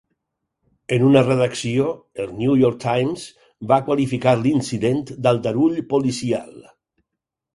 En una redacció, el New York Times va qualificar l'incident d'aldarull policial.